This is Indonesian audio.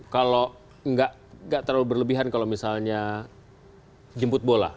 kalau nggak terlalu berlebihan kalau misalnya jemput bola